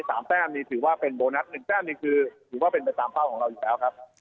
นี่๓แป้มติดว่าเป็นโบนัส๑แป้มนี่คือถือว่าเป็นตามเผ่าของเราอยู่แล้วครับ